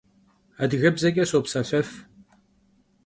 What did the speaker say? Adıgebzeç'e sopselhef.